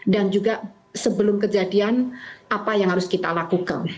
dan juga sebelum kejadian apa yang harus kita lakukan